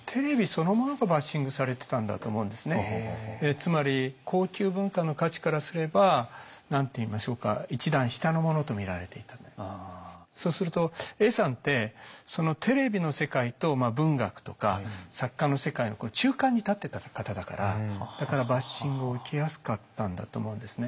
つまりそうすると永さんってそのテレビの世界と文学とか作家の世界の中間に立ってた方だからだからバッシングを受けやすかったんだと思うんですね。